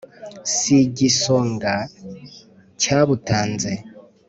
si igisonga cyabutanze